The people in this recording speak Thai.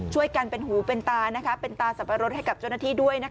ช่วยกันเป็นหูเป็นตาเป็นตาสับปะรดให้กับเจ้าหน้าที่ด้วย